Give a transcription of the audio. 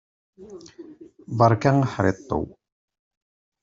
Beṛka aḥriṭṭew!